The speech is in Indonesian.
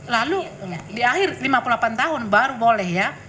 lalu di akhir lima puluh delapan tahun baru boleh ya